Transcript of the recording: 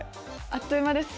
あっという間です。